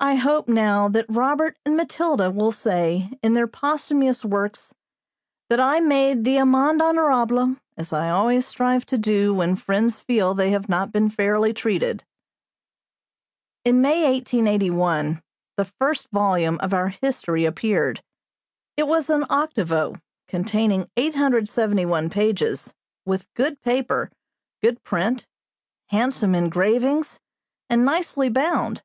I hope, now, that Robert and Matilda will say, in their posthumous works, that I made the amende honorable, as I always strive to do when friends feel they have not been fairly treated. In May, 1881, the first volume of our History appeared; it was an octavo, containing 871 pages, with good paper, good print, handsome engravings, and nicely bound.